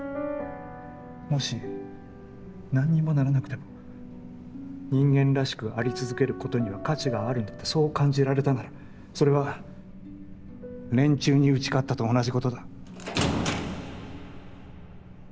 もし何にもならなくても人間らしく在り続けることには価値があるんだってそう感じられたならそれは連中に打ち勝ったと同じことだ。